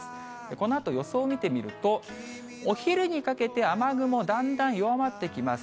このあと、予想を見てみると、お昼にかけて雨雲、だんだん弱まってきます。